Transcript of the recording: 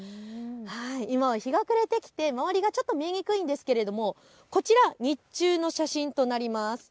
今は日が暮れてきて周りが見えにくいんですけれどもこちら日中の写真となります。